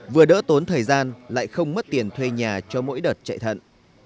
vừa đỡ tốn thời gian lại không mất tiền thuê nhà cho mỗi đợt chạy thận